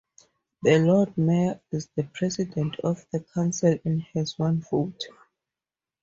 The Lord Mayor is the president of the council and has one vote.